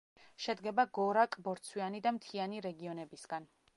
შედგება გორაკ–ბორცვიანი და მთიანი რეგიონებისგან.